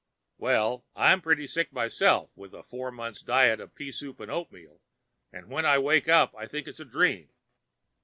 "Well, I'm pretty sick myself, with a four months' diet of pea soup and oatmeal, and when I wake up I think it's a dream.